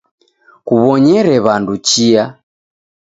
Kuw'onyere w'andu chia.